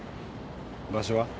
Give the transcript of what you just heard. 場所は？